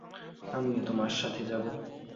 আমিও তোমার সাথে যাবো।